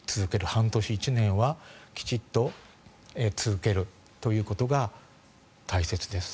半年、１年はきちっと続けるということが大切です。